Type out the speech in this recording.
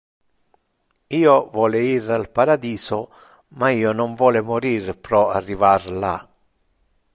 Io vole ir al paradiso, ma io non vole morir pro arrivar la!